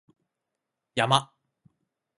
山